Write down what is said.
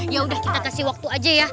yaudah kita kasih waktu aja ya